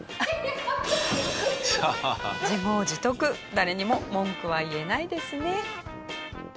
誰にも文句は言えないですね。